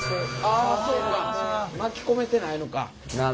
あそうか巻き込めてないのか。